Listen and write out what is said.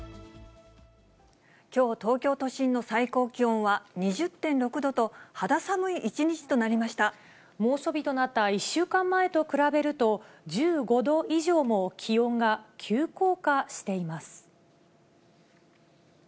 きょう、東京都心の最高気温は２０．６度と、猛暑日となった１週間前と比べると、１５度以上も気温が急降下しています。